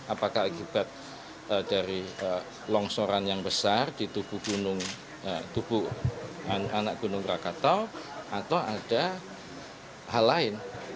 apakah akibat dari longsoran yang besar di tubuh gunung anak gunung rakatau atau ada hal lain